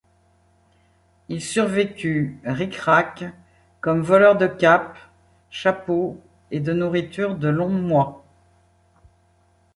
Il survécut ric-rac comme voleur de capes, chapeaux et de nourriture de longs mois.